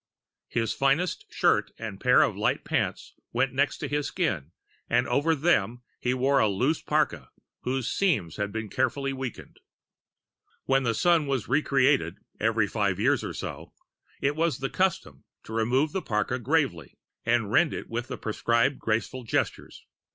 His finest shirt and pair of light pants went next to his skin, and over them he wore a loose parka whose seams had been carefully weakened. When the Sun was re created, every five years or so, it was the custom to remove the parka gravely and rend it with the prescribed graceful gestures